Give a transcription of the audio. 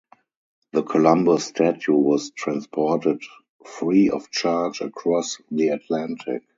The Columbus statue was transported free of charge across the Atlantic.